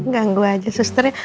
ganggu aja susternya